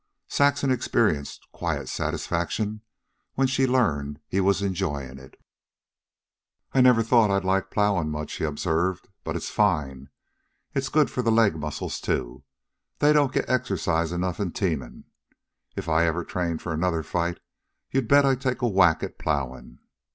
Saxon experienced quiet satisfaction when she learned he was enjoying it. "I never thought I'd like plowin' much," he observed. "But it's fine. It's good for the leg muscles, too. They don't get exercise enough in teamin'. If ever I trained for another fight, you bet I'd take a whack at plowin'.